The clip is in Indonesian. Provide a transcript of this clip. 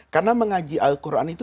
karena mengaji al quran itu